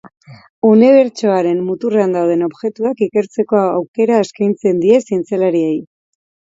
Unibertsoaren muturrean dauden objektuak ikertzeko aukera eskaintzen die zientzialariei.